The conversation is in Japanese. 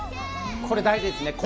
これ、大事ですね。